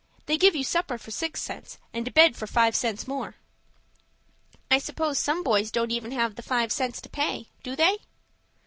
They give you supper for six cents, and a bed for five cents more." "I suppose some boys don't even have the five cents to pay,—do they?"